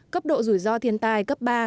cấp độ rủi ro thiên tai cấp ba